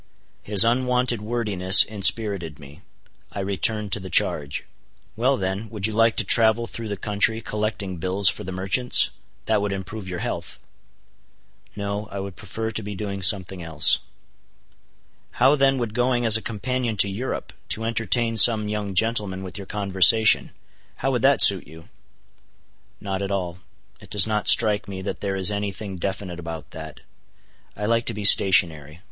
His unwonted wordiness inspirited me. I returned to the charge. "Well then, would you like to travel through the country collecting bills for the merchants? That would improve your health." "No, I would prefer to be doing something else." "How then would going as a companion to Europe, to entertain some young gentleman with your conversation,—how would that suit you?" "Not at all. It does not strike me that there is any thing definite about that. I like to be stationary.